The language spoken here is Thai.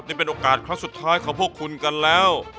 นี่เป็นโอกาสครั้งสุดท้ายของพวกคุณกันแล้ว